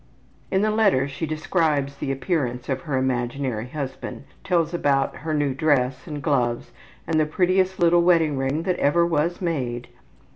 '' In the letter she describes the appearance of her imaginary husband, tells about her new dress and gloves and ``the prettiest little wedding ring that was ever made.''